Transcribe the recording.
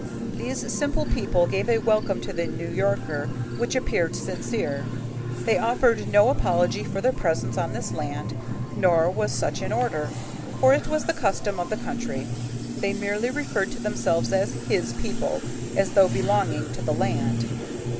These simple people gave a welcome to the New Yorker which appeared sincere. They offered no apology for their presence on this land, nor was such in order, for it was the custom of the country. They merely referred to themselves as "his people," as though belonging to the land.